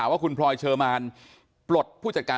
ลองฟังเสียงช่วงนี้ดูค่ะ